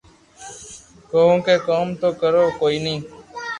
ڪونڪہ ڪوم تو ڪرو ڪوئي ني